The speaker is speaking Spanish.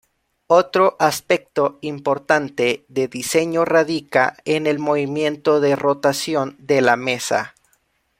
Otro aspecto importante de diseño radica en el movimiento de rotación de la mesa.